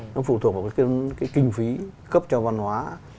nó phụ thuộc vào cái kinh phí cấp cho văn hóa